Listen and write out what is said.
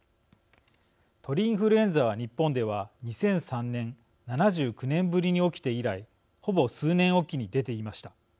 鳥インフルエンザは、日本では２００３年、７９年ぶりに起きて以来、ほぼ数年おきに出ていました。